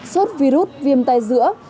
sốt virus viêm tay giữa